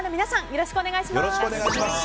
よろしくお願いします。